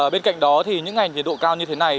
bên cạnh đó thì những ngày nhiệt độ cao như thế này